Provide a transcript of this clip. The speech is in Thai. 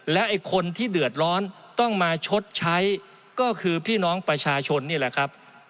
และไอ้คนที่เดือดร้อนต้องมาชดใช้ก็คือพี่น้องประชาชนนี่แหละครับ